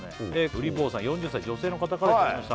うり坊さん４０歳女性の方からいただきました